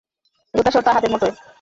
গোটা শহর তার হাতের মুঠোয়।